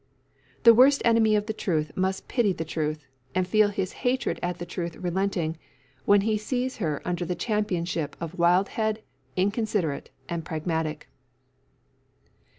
The worst enemy of the truth must pity the truth, and feel his hatred at the truth relenting, when he sees her under the championship of Wildhead, Inconsiderate, and Pragmatic.